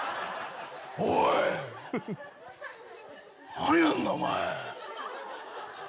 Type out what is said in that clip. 何なんだお前。